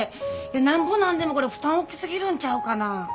なんぼなんでもこれ負担大きすぎるんちゃうかな。